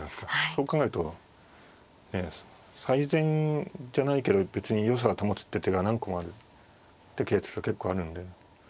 そう考えると最善じゃないけど別によさは保つって手が何個もあるってケースは結構あるんで。